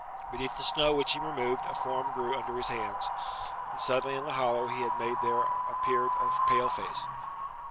Beneath the snow which he removed a form grew under his hands; and suddenly in the hollow he had made there appeared a pale face.